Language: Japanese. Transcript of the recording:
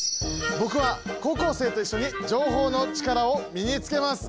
僕は高校生と一緒に情報のチカラを身につけます。